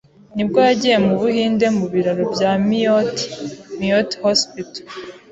nibwo yagiye mu buhinde mu biraro bya Miot (MIOT Hospital).